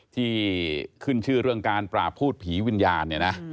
ที่ขึ้นชื่อเรื่องการปราบพูดผีวิญญาณเนี่ยนะ